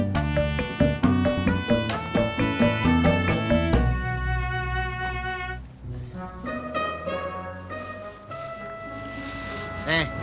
nanti gue kasih